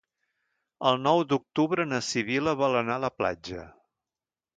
El nou d'octubre na Sibil·la vol anar a la platja.